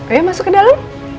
oh ya masuk ke dalam